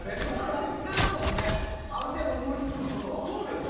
やってるもんねある程度、思いつくことは。